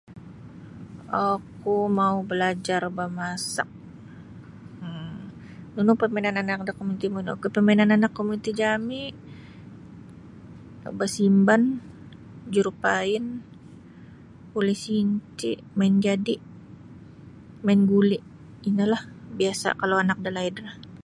Oku mau balajar ba masak um Nunu permainan anak-anak da komuniti muyun permainan anak-anak da komuniti jami basimban jurupain pulis intip main jadi main guli ino lah biasa kalau anak dalaid.